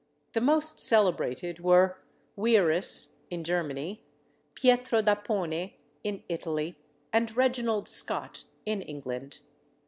The most celebrated were Wierus, in Germany; Pietro d'Apone, in Italy; and Reginald Scot, in England.